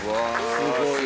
すごいな。